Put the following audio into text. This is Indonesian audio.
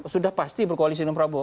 sudah pasti berkoalisi dengan prabowo